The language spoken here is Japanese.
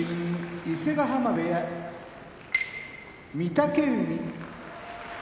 伊勢ヶ濱部屋御嶽海